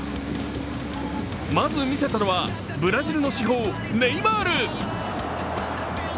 まず見せたのは、ブラジルの至宝・ネイマール。